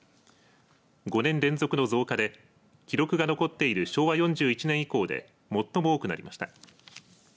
５年連続の増加で記録が残っている昭和４１年以降で最も多くなりました。